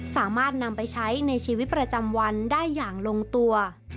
สามารถนำไปใช้ในชีวิตประจำวันได้อย่างลงตัว